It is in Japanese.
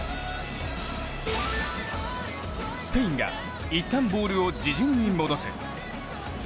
スペインがいったんボールを自陣に戻す。